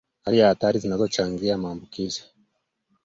Hali hatari zinazochangia maambukizi